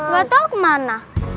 gak tau kemana